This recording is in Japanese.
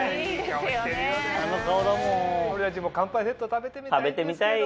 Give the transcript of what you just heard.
俺たちも乾杯セット食べてみたいんですけど。